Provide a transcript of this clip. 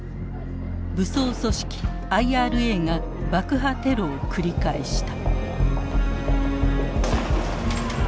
武装組織ＩＲＡが爆破テロを繰り返した。